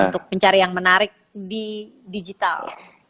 untuk mencari yang menarik di digital